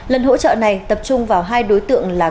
lần hỗ trợ này tập trung vào hai đối tượng là